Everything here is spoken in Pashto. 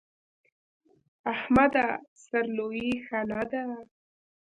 احمده! سر لويي ښه نه ده.